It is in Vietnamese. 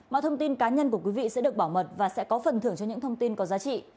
mọi thông tin cá nhân của quý vị sẽ được bảo mật và sẽ có phần thưởng cho những thông tin có giá trị